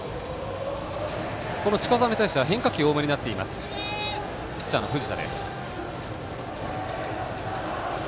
近澤に対しては変化球多めになっているピッチャーの藤田です。